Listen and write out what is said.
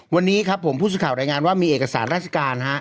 วันนี้ครับผมผู้สื่อข่าวรายงานว่ามีเอกสารราชการ